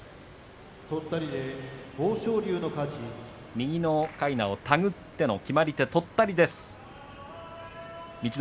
右のかいなを手繰っての決まり手、取ったりです。